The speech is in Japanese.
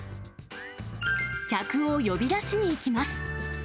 客を呼び出しに行きます。